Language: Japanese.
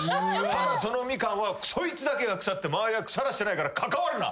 「ただそのミカンはそいつだけが腐って周りは腐らせてないから関わるな。